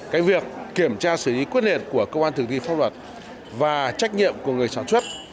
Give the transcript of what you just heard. cái việc kiểm tra xử lý quyết liệt của cơ quan thực thi pháp luật và trách nhiệm của người sản xuất